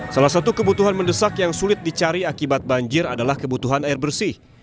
salah satu kebutuhan mendesak yang sulit dicari akibat banjir adalah kebutuhan air bersih